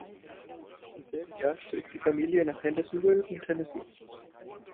Im selben Jahr zog die Familie nach Hendersonville in Tennessee.